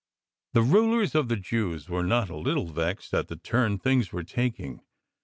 The Rulers of the Jews were not a little vexed at the turn things were taking.